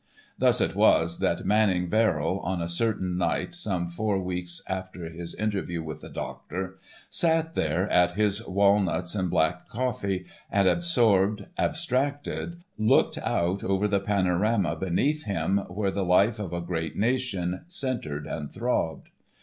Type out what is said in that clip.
Thus it was that Manning Verrill, on a certain night some four weeks after his interview with the doctor, sat there at his walnuts and black coffee and, absorbed, abstracted, looked out over the panorama beneath him, where the Life of a great nation centered and throbbed.